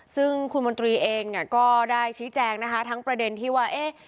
ซึ่งคุณมนตรีเองก็ได้ชี้แจงนะคะทั้งประเด็นที่ว่าเอ๊ะ